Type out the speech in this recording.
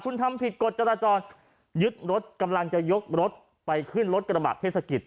คุณทำผิดกฎจราจรยึดรถกำลังจะยกรถไปขึ้นรถกระบะเทศกิจ